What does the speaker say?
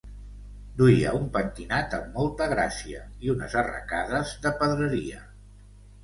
Duia un pentinat amb molta gràcia i unes arracades de pedreria.